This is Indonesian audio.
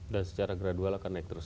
dan secara gradual akan naik terus